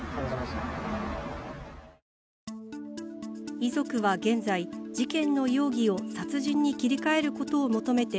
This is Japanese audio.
遺族は現在、事件の容疑を殺人に切り替えることを求めて